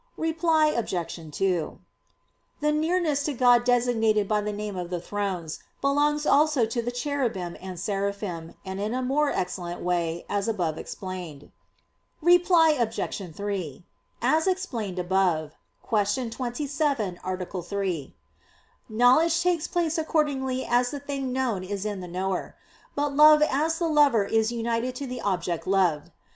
Reply Obj. 2: The nearness to God designated by the name of the "Thrones," belongs also to the "Cherubim" and "Seraphim," and in a more excellent way, as above explained. Reply Obj. 3: As above explained (Q. 27, A. 3), knowledge takes place accordingly as the thing known is in the knower; but love as the lover is united to the object loved.